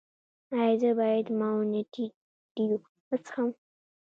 ایا زه باید ماونټین ډیو وڅښم؟